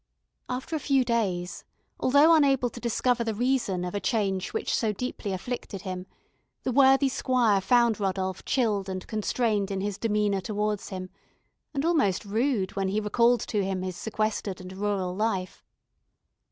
After a few days, although unable to discover the reason of a change which so deeply afflicted him, the worthy squire found Rodolph chilled and constrained in his demeanour towards him, and almost rude when he recalled to him his sequestered and rural life.